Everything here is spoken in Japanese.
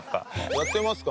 やってますか？